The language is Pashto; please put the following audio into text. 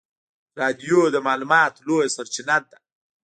رادیو د معلوماتو لویه سرچینه ده.